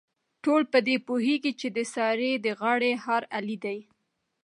ټول په دې پوهېږي، چې د سارې د غاړې هار علي دی.